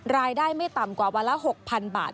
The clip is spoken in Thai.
รายได้ไม่ต่ำกว่าวันละ๖๐๐๐บาท